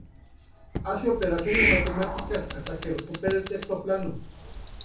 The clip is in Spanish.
hace operaciones matemáticas hasta que recupera el texto plano.